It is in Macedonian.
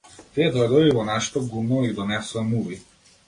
Тие дојдоа и во нашето гумно и донесоа муви.